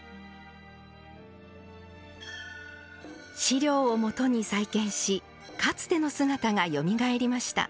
資料をもとに再建しかつての姿がよみがえりました。